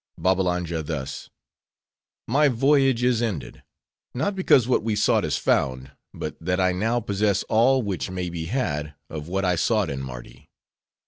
Babbalanja thus:—"My voyage is ended. Not because what we sought is found; but that I now possess all which may be had of what I sought in Mardi.